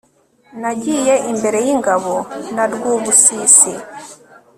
Nagiye imbere yingabo na Rwubusisi